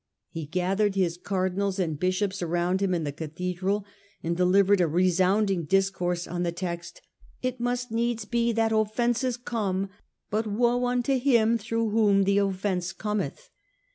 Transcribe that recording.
He gathered his Cardinals and Bishops around him in the Cathedral and delivered a resounding discourse qn the text :" It must needs be that offences come, but woe unto him through whom the offence cometh."